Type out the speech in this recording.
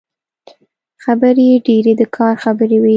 خبرې يې ډېرې د کار خبرې وې.